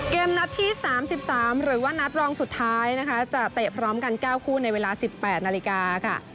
เกมนัดที่๓๓หรือว่านัดรองสุดท้ายนะคะจะเตะพร้อมกัน๙คู่ในเวลา๑๘นาฬิกาค่ะ